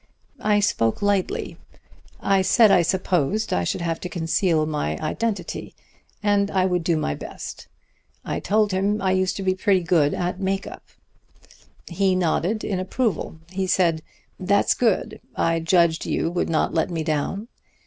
I spoke lightly. I said I supposed I should have to conceal my identity, and I would do my best. I told him I used to be pretty good at make up. "He nodded in approval. He said: 'That's good. I judged you would not let me down.'